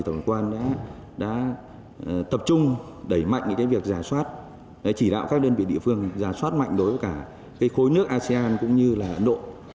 hành quan đã tập trung đẩy mạnh cái việc giá soát để chỉ đạo các đơn vị địa phương giá soát mạnh đối với cả cái khối nước asean cũng như là ấn độ